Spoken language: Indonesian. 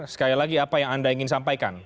sekali lagi apa yang anda ingin sampaikan